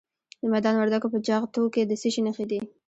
د میدان وردګو په جغتو کې د څه شي نښې دي؟